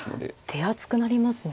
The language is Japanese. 手厚くなりますね。